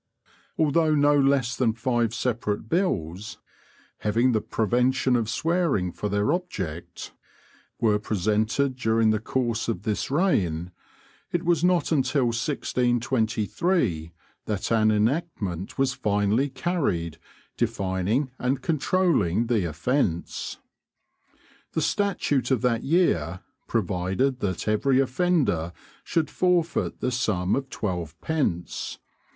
Although no less than five separate bills, having the prevention of swearing for their object, were presented during the course of this reign, it was not until 1623 that an enactment was finally carried defining and controlling the offence. The statute of that year provided that every offender should forfeit the sum of twelve pence.